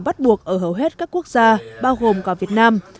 bắt buộc ở hầu hết các quốc gia bao gồm cả việt nam